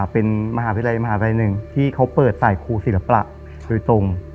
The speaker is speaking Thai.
เป็นมหาวิทยาลัยมหาลัยหนึ่งที่เขาเปิดสายครูศิลปะโดยตรง